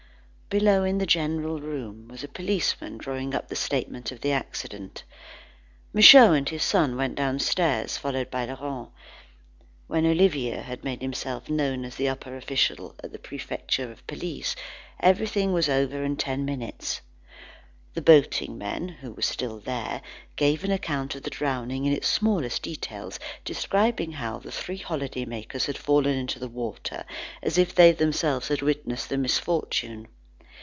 Below, in the general room, was a policeman drawing up a statement of the accident. Michaud and his son went downstairs, followed by Laurent. When Olivier had made himself known as an upper official at the Prefecture of Police, everything was over in ten minutes. The boating men, who were still there, gave an account of the drowning in its smallest details, describing how the three holiday makers had fallen into the water, as if they themselves had witnessed the misfortune.